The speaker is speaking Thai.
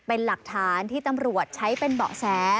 เป็นหลักฐานที่ตำรวจใช้เป็นเบาะแส